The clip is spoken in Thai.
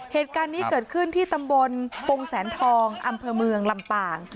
เหตุการณ์นี้เกิดขึ้นที่ตำบลปงแสนทองอำเภอเมืองลำปาง